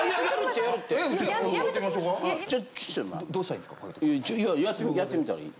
いややってみたらいい。